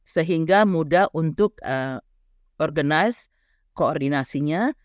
sehingga mudah untuk organize koordinasinya